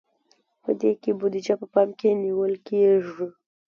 په دې کې بودیجه په پام کې نیول کیږي.